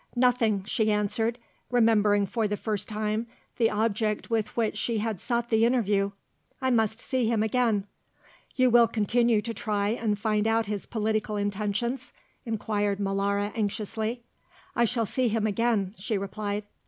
"Nothing," she answered, remembering for the first time the object with which she had sought the interview; "I must see him again." "You will continue to try and find out his political intentions?" inquired Molara anxiously. "I shall see him again," she replied.